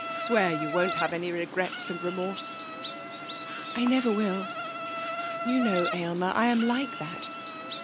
Swear you won't have any regrets and remorse!' 'I never will. You know, Aylmer, I am like that.